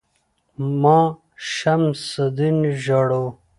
ـ ما شمس الدين ژاړو